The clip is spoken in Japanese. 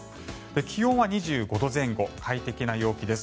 気温は２５度前後快適な陽気です。